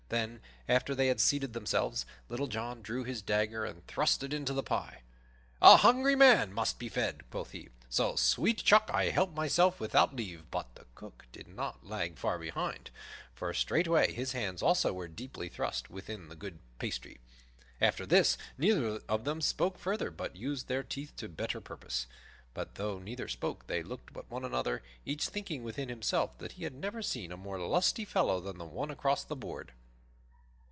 Then, after they had seated themselves, Little John drew his dagger and thrust it into the pie. "A hungry man must be fed," quoth he, "so, sweet chuck, I help myself without leave." But the Cook did not lag far behind, for straightway his hands also were deeply thrust within the goodly pasty. After this, neither of them spoke further, but used their teeth to better purpose. But though neither spoke, they looked at one another, each thinking within himself that he had never seen a more lusty fellow than the one across the board.